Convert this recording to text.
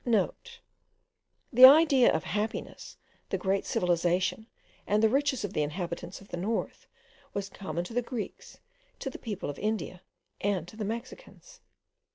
*(* The idea of the happiness, the great civilization, and the riches of the inhabitants of the north, was common to the Greeks, to the people of India, and to the Mexicans.)